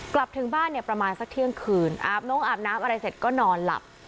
กลับถึงบ้านเนี่ยประมาณสักเที่ยงคืนอาบน้องอาบน้ำอะไรเสร็จก็นอนหลับ